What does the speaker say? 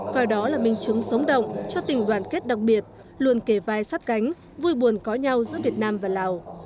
coi đó là minh chứng sống động cho tình đoàn kết đặc biệt luôn kề vai sát cánh vui buồn có nhau giữa việt nam và lào